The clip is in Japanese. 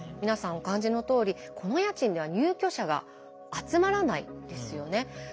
皆さんお感じのとおりこの家賃では入居者が集まらないですよね。